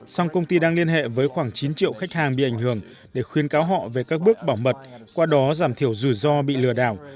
song công ty đang liên hệ với khoảng chín triệu khách hàng bị ảnh hưởng để khuyên cáo họ về các bước bảo mật qua đó giảm thiểu rủi ro bị lừa đảo